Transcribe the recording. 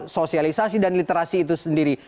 sosialisasi dan literasi itu sendiri